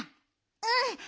うん。